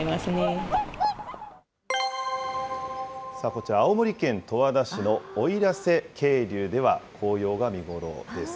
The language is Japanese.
こちら、青森県十和田市の奥入瀬渓流では、紅葉が見頃です。